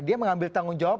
dia mengambil tanggung jawab